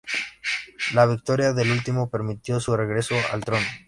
La victoria del último permitió su regreso al trono.